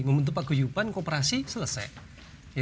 membentuk paguyupan kooperasi selesai